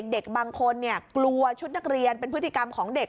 เด็กบางคนกลัวชุดนักเรียนเป็นพฤติกรรมของเด็ก